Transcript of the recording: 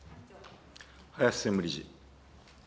林専務理事。